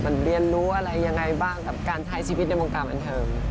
มันเรียนรู้อะไรยังไงบ้างกับการใช้ชีวิตในวงการบันเทิง